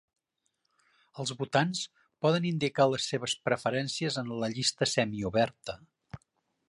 Els votants poden indicar les seves preferències en la llista semioberta.